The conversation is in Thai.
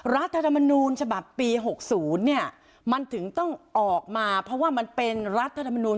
รัฐธรรมนูญฉบับปี๖๐เนี่ยมันถึงต้องออกมาเพราะว่ามันเป็นรัฐธรรมนูล